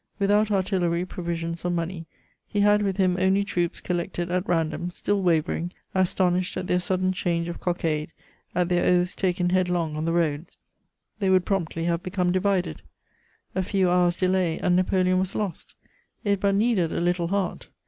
Without artillery, provisions, or money, he had with him only troops collected at random, still wavering, astonished at their sudden change of cockade, at their oaths taken headlong on the roads: they would promptly have become divided. A few hours' delay and Napoleon was lost; it but needed a little heart.